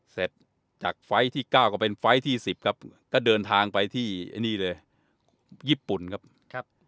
เสร็จจากไฟล์ที่๙ก็เป็นไฟล์ที่๑๐ครับก็เดินทางไปที่ไอ้นี่เลยญี่ปุ่นครับ